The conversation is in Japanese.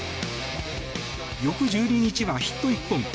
翌１２日はヒット１本。